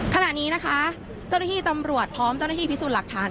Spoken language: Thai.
ขณะนี้นะคะเจ้าหน้าที่ตำรวจพร้อมเจ้าหน้าที่พิสูจน์หลักฐาน